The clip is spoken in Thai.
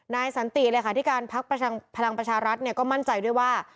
นายสนติที่การพักพลังประชารัฐก็มั่นใจด้วยว่า